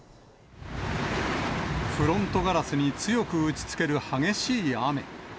フロントガラスに強く打ちつける激しい雨。